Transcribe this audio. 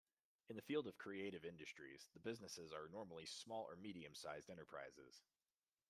In the field of creative industries, the businesses are normally small or medium-sized enterprises.